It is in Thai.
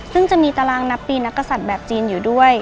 ซึ่งจะมีตารางนับปีนักศัตริย์แบบจีนอยู่ด้วย